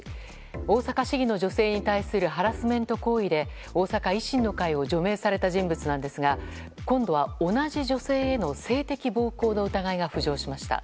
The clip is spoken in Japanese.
大阪市議の女性に対するハラスメント行為で大阪維新の会を除名された人物なんですが今度は、同じ女性への性的暴行の疑いが浮上しました。